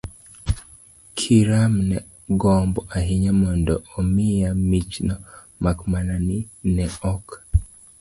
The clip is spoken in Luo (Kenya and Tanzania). kiram ne gombo ahinya mondo omiya michno, mak mana ni ne ok